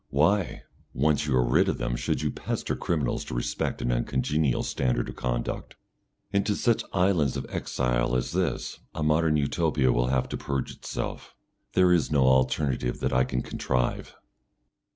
Why, once you are rid of them, should you pester criminals to respect an uncongenial standard of conduct? Into such islands of exile as this a modern Utopia will have to purge itself. There is no alternative that I can contrive.